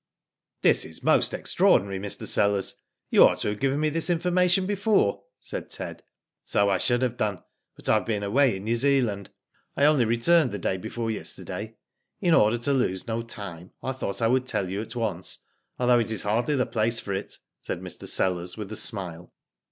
"This is most extraordinary, Mr. Sellers. You ought to have given me this information before." said Ted. "So I should have done, but I have been away in New Zealand. I only returned the day before yesterday. In order to lose no time, I •thought I would tell you at once, although it is hardly the place for it," said Mr. Sellers, with a smile.